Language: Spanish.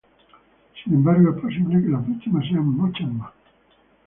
Sin embargo, es posible que las víctimas sean muchas más.